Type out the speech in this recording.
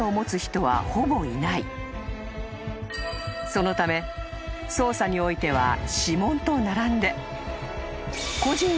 ［そのため捜査においては指紋と並んで］